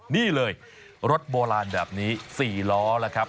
นี่เลยรถโบราณแบบนี้๔ล้อแล้วครับ